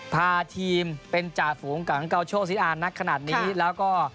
พาทีมเป็นจ่าฝูงกับเกาโชคซีอาร์นักขนาดนี้แล้วก็